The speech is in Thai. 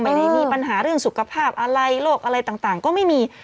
ไม่ได้มีปัญหาเรื่องสุขภาพอะไรโรคอะไรต่างก็ไม่มี